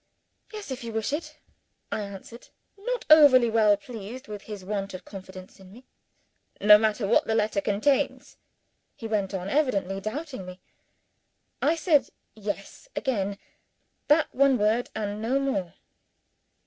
"Yes if you wish it," I answered: not over well pleased with his want of confidence in me. "No matter what the letter contains?" he went on, evidently doubting me. I said Yes, again that one word, and no more.